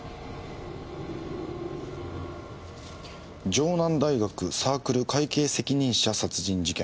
城南大学サークル会計責任者殺人事件。